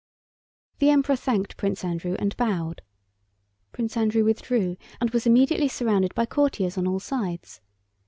The Emperor thanked Prince Andrew and bowed. Prince Andrew withdrew and was immediately surrounded by courtiers on all sides.